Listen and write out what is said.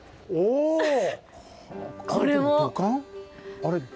あれ。